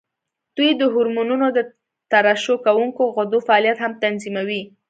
دوی د هورمونونو د ترشح کوونکو غدو فعالیت هم تنظیموي.